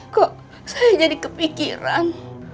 kok saya jadi kepikiran